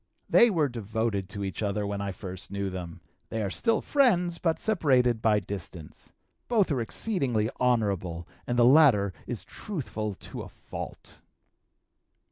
"They were devoted to each other when I first knew them; they are still friends, but separated by distance. Both are exceedingly honorable, and the latter is truthful to a fault."